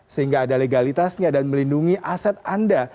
sehingga ada legalitasnya dan melindungi aset anda